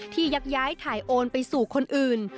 ยักย้ายถ่ายโอนไปสู่คนอื่น